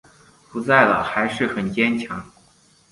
不在了还是很坚强